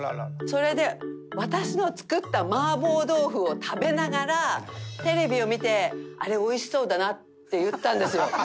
それで私の作った麻婆豆腐を食べながらテレビを見て「あれ美味しそうだな」って言ったんですよ。